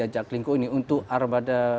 jaklingco ini untuk armada